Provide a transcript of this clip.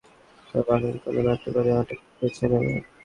তবে পরের প্রযোজনাটি অবশ্যই তাঁরা বাঙালি কোনো নাট্যকারের নাটক বেছে নেবেন।